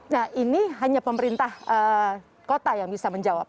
nah ini hanya pemerintah kota yang bisa menjawab